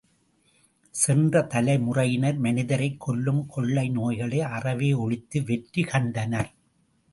சென்ற தலைமுறையினர், மனிதரைக் கொல்லும் கொள்ளை நோய்களை அறவே ஒழித்து வெற்றி கண்டனர்.